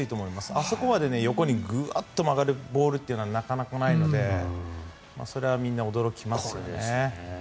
あそこまで横にグワッと曲がるボールはなかなかないのでそれはみんな驚きますよね。